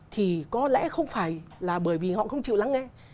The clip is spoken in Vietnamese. thì có lẽ không phải là bởi vì họ không chịu lắng nghe